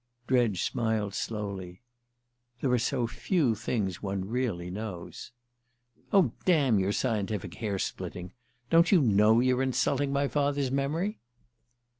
Dredge smiled slowly. "There are so few things one really knows." "Oh, damn your scientific hair splitting! Don't you know you're insulting my father's memory?"